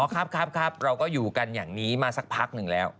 ครับครับเราก็อยู่กันอย่างนี้มาสักพักหนึ่งแล้ว